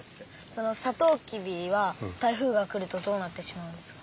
そのさとうきびは台風が来るとどうなってしまうんですか？